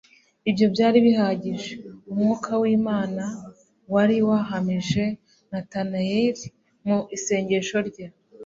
Ibyo byari bihagije. Umwuka w'Imana wari wahamirije Natanaeli mu isengesho rye,